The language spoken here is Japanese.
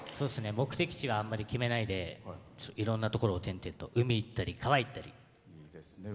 目的地はあんまり決めないでいろんなところを転々と海に行ったり、川に行ったり。